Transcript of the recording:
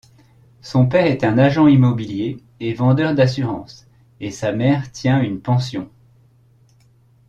Son père est agent immobilier et vendeur d'assurances et sa mère tient une pension.